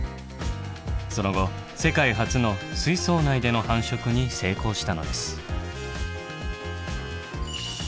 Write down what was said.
その後世界初の水槽内での繁殖に成功したのです。